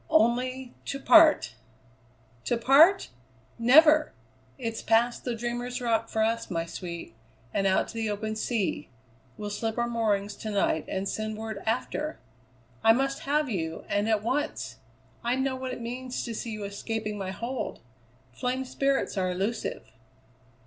"Only to part." "To part? Never! It's past the Dreamer's Rock for us, my sweet, and out to the open sea. We'll slip our moorings to night, and send word after! I must have you, and at once. I know what it means to see you escaping my hold. Flame spirits are elusive."